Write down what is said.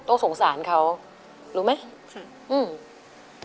ต้องสงสารเขารู้ไหม